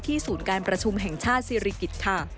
ศูนย์การประชุมแห่งชาติศิริกิจค่ะ